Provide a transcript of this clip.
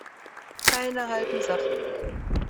Keine halben Sachen.